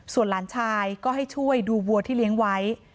ส่วนหลานชายก็ให้ช่วยดูวัวที่เลี้ยงไว้